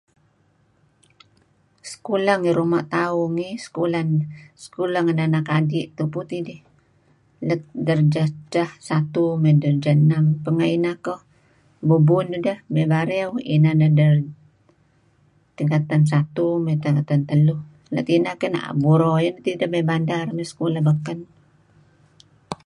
Sekulah ngi ruma' tauh ngih, sukulah sekulah ngen anak adi' tupu tidih, let darjah edtah satu mey darjah enam, pengeh ineh koh bubuh nideh mey Bario inan deh tingkatan satu mey tingkatan teluh. Let ineh keh buro ayu tideh mey bandar mey sekulah beken.